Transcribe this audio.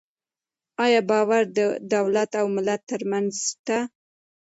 آیا باور د دولت او ملت ترمنځ شته؟